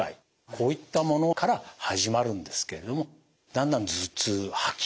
こういったものから始まるんですけれどもだんだん頭痛吐き